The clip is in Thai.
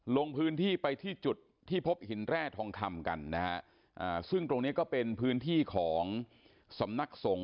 ลงพื้นที่ไปที่จุดที่พบหินแร่ทองคำกันนะฮะซึ่งตรงนี้ก็เป็นพื้นที่ของสำนักสงฆ